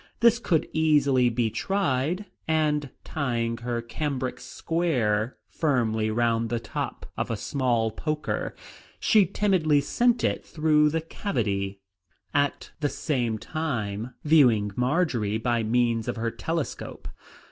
This could easily be tried, and tying her cambric square firmly round the top of a small poker, she timidly sent it through the cavity, at the same time viewing Marjory by means of her telescope.